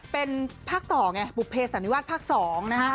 เป็นภาค๒ไงบุปเพชรสันนิวัฒน์ภาค๒นะฮะ